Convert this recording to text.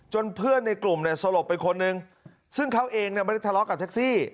จนเพื่อนในกลุ่มสลบเป็นคนหนึ่งซึ่งเขาเองไม่ได้ทะเลาะกับแท็กซี่